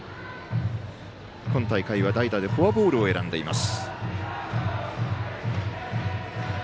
今大会は代打でフォアボールを選んでいます。